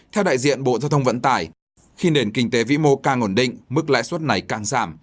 theo đại diện bộ giao thông vận tải khi nền kinh tế vĩ mô càng ổn định mức lãi suất này càng giảm